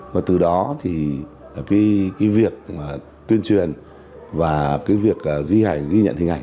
và từ đó thì cái việc tuyên truyền và cái việc ghi nhận hình ảnh